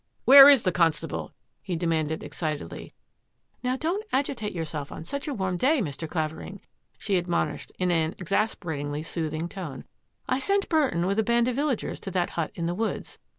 Where is the constable?" he demanded excitedly. " Now don't agitate yourself on such a warm day, Mr. Clavering," she admonished in an exas peratingly soothing tone. " I sent Burton with a band of villagers to that hut in the woods.